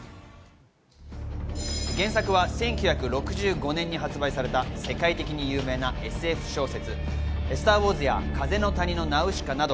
原作は１９６５年に発売された世界的に有名なＳＦ小説。